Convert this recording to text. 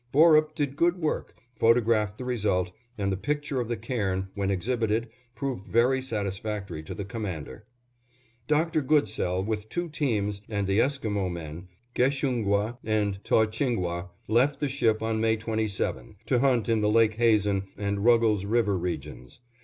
Borup did good work, photographed the result, and the picture of the cairn, when exhibited, proved very satisfactory to the Commander. Dr. Goodsell with two teams, and the Esquimo men, Keshungwah and Tawchingwah, left the ship on May 27, to hunt in the Lake Hazen and Ruggles River regions.